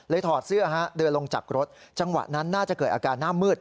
ถอดเสื้อเดินลงจากรถจังหวะนั้นน่าจะเกิดอาการหน้ามืด